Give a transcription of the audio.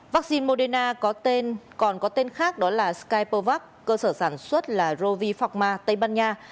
vaccine moderna còn có tên khác đó là skypervac cơ sở sản xuất là rovifarma tây ban nha